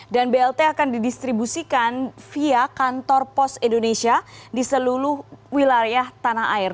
dan blt akan didistribusikan via kantor pos indonesia di seluruh wilayah tanah air